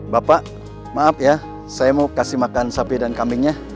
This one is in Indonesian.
bapak maaf ya saya mau kasih makan sapi dan kambingnya